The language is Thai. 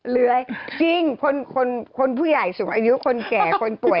เลื้อยจริงคนผู้ใหญ่สูงอายุคนแก่คนป่วย